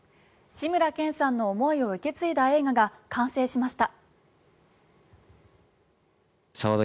志村けんさんの思いを受け継いだ映画が完成しました。